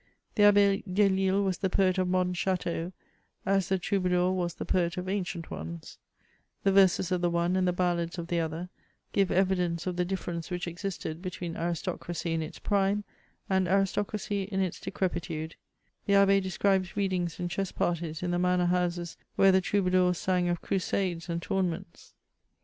The Abbe Delille was the poet of modern chateaux, as the troubadour was the poet of ancient ones; the verses of the one and the ballads of the other, give evidence of the difference which existed between aristocracy in its prime and aristocracy in its decrepitude : the abbe de scribes readings and chess parties in the manor houses where the troubadours sang of crusades and tournaments.